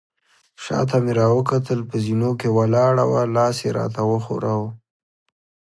شاته مې راوکتل، په زینو کې ولاړه وه، لاس يې راته وښوراوه.